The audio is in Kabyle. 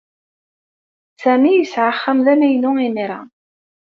Sami yesɛa axxam d amaynu imir-a.